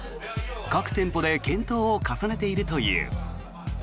各店舗で検討を重ねているという。